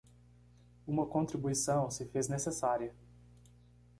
Uma contribuição se fez necessária